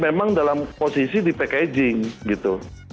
memang dalam posisi di packaging gitu